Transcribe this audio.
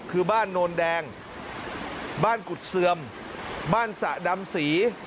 คือบ้านโนนแดงบ้านกุฎเสื่อมบ้านสะดำศรี